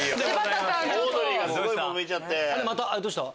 どうした？